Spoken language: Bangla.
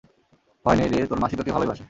ভয় নেই রে, তোর মাসি তোকে ভালোই বাসে।